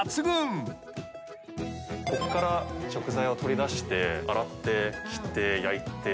ここから食材を取り出して洗って切って焼いて。